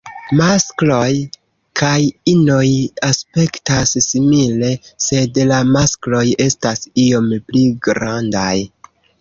Maskloj kaj inoj aspektas simile, sed la maskloj estas iom pli grandaj.